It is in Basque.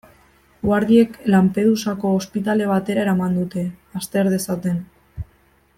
Guardiek Lampedusako ospitale batera eraman dute, azter dezaten.